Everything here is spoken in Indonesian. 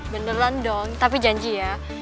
beneran dong tapi janji ya